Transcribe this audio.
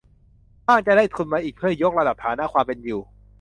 บ้างจะได้ทุนมาอีกเพื่อยกระดับฐานะความเป็นอยู่